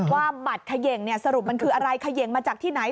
ว่าบัตรเขย่งสรุปมันคืออะไรเขย่งมาจากที่ไหน